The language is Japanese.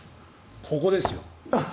ここですよ。